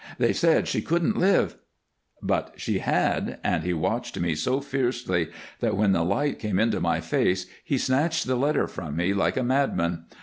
They said she couldn't live " But she had, and he watched me so fiercely that when the light came into my face he snatched the letter from me like a madman.